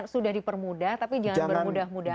sudah dipermudah tapi jangan bermudah mudah